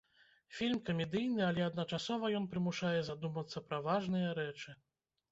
Фільм камедыйны, але адначасова ён прымушае задумацца пра важныя рэчы.